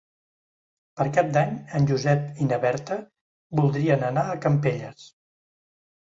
Per Cap d'Any en Josep i na Berta voldrien anar a Campelles.